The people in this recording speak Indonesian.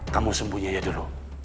kamu sembunyian aja dulu